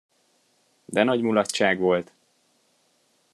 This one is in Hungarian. De nagy mulatság volt!